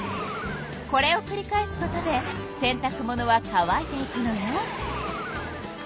これをくり返すことで洗たく物は乾いていくのよ。